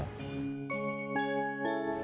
tapi jadilah bahar